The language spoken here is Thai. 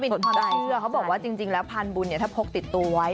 สนใจเขาบอกว่าจริงแล้วพรานบุญถ้าพกติดตัวไว้